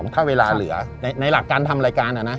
ถ้าเวลาเหลือในหลักการทำรายการ